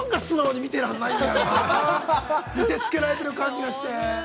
見せつけられている感じがして。